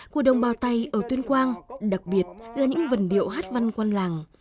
của đồng bào tày ở tuyên quang đặc biệt là những vần điệu hát văn quang làng